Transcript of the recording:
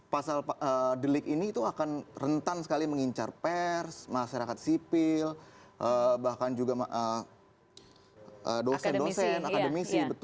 pasal delik ini itu akan rentan sekali mengincar pers masyarakat sipil bahkan juga dosen dosen akademisi